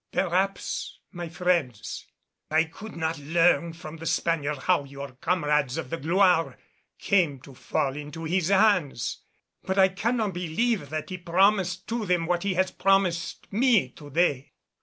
"Perhaps, my friends. I could not learn from the Spaniard how your comrades of the Gloire came to fall into his hands. But I cannot believe that he promised to them what he has promised me to day.